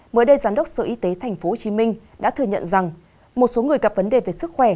mới đây giám đốc sở y tế tp hcm đã thừa nhận rằng một số người gặp vấn đề về sức khỏe